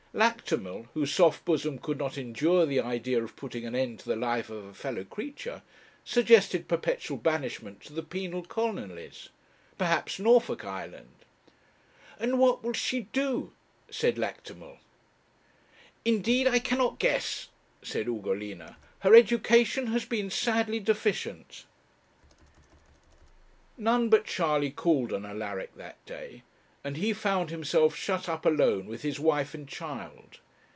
Lactimel, whose soft bosom could not endure the idea of putting an end to the life of a fellow creature, suggested perpetual banishment to the penal colonies; perhaps Norfolk Island. 'And what will she do?' said Lactimel. 'Indeed I cannot guess,' said Ugolina; 'her education has been sadly deficient.' None but Charley called on Alaric that day, and he found himself shut up alone with his wife and child.